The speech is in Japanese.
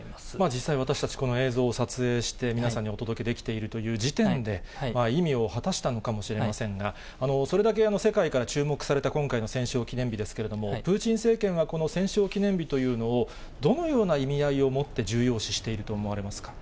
実際、私たち、この映像を撮影して、皆さんにお届けできているという時点で、意味を果たしたのかもしれませんが、それだけ世界から注目された今回の戦勝記念日ですけれども、プーチン政権がこの戦勝記念日というのを、どのような意味合いをもって重要視していると思われますか。